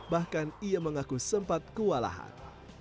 bahkan ia mengaku sempat kewalahan